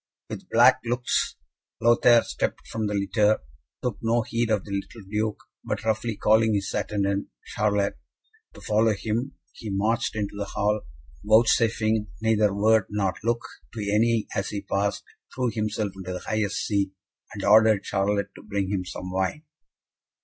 With black looks, Lothaire stepped from the litter, took no heed of the little Duke, but, roughly calling his attendant, Charlot, to follow him, he marched into the hall, vouchsafing neither word nor look to any as he passed, threw himself into the highest seat, and ordered Charlot to bring him some wine.